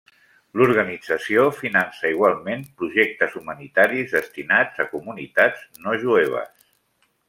L'organització finança igualment projectes humanitaris destinats a comunitats no jueves.